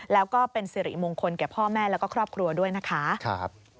แล้วก็เป็นสิริมงคลแก่พ่อแม่แล้วก็ครอบครัวด้วยนะคะ